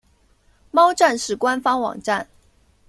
猫战士官方网站